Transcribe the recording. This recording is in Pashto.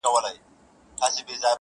سونډان مي وسوځېدل,